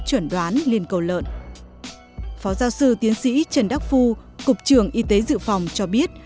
chuẩn đoán liên cầu lợn phó giáo sư tiến sĩ trần đắc phu cục trưởng y tế dự phòng cho biết